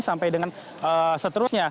sampai dengan seterusnya